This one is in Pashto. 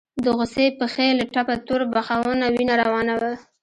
د غوڅې پښې له ټپه تور بخونه وينه روانه وه.